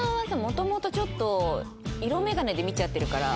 もともとちょっと色眼鏡で見ちゃってるから。